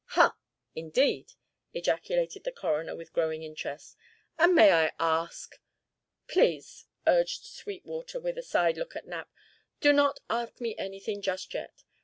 "Ha! indeed!" ejaculated the coroner with growing interest. "And may I ask " "Please," urged Sweetwater, with a side look at Knapp, "do not ask me anything just yet.